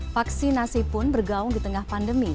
vaksinasi pun bergaung di tengah pandemi